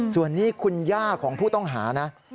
ส่วนนี้คุณย่าของผู้ต้องหานะ